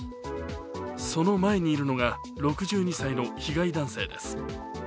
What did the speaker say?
その前にいるのが６２歳の被害男性です。